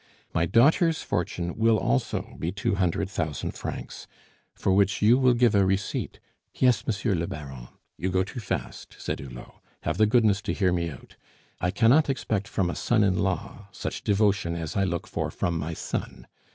My daughter's fortune will also be two hundred thousand francs, for which you will give a receipt " "Yes, Monsieur le Baron." "You go too fast," said Hulot. "Have the goodness to hear me out. I cannot expect from a son in law such devotion as I look for from my son.